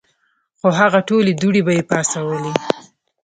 خو هغه ټولې دوړې به ئې پاڅولې ـ